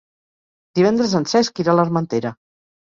Divendres en Cesc irà a l'Armentera.